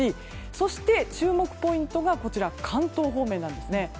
そして注目ポイントが関東方面なんですね。